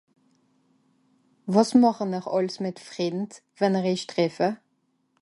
wàs màchen'r àls mìt Frìnd wenn'er eich treffe